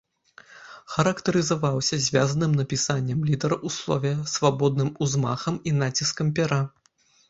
Характарызаваўся звязаным напісаннем літар у слове, свабодным узмахам і націскам пяра.